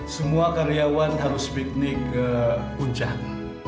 semua karyawan harus piknik ke puncak